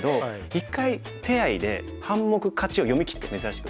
一回手合で半目勝ちを読みきって珍しく。